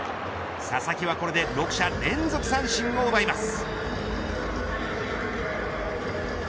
佐々木はこれで６者連続三振を奪います。